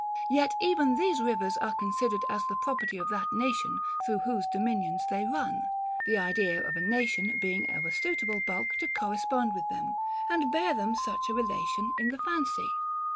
Yet even these rivers are considered as the property of that nation, through whose dominions they run; the idea of a nation being of a suitable bulk to correspond with them, and bear them such a relation in the fancy.